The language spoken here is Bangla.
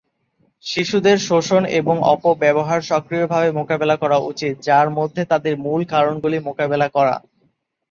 শিশুদের শোষণ এবং অপব্যবহার সক্রিয়ভাবে মোকাবেলা করা উচিত, যার মধ্যে তাদের মূল কারণগুলি মোকাবেলা করা।